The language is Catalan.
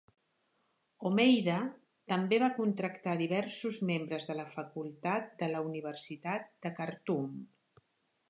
Homeida també va contractar diversos membres de la facultat de la Universitat de Khartoum.